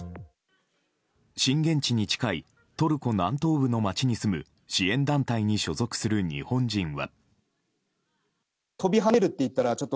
震源地に近いトルコ南東部の町に住む支援団体に所属する日本人は。